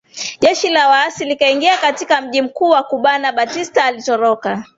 jeshi la waasi likaingia katika mji mkuu wa Cubanna Batista alitoroka